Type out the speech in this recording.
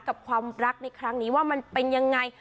กับความรักในครั้งนี้ว่ามันเป็นยังไง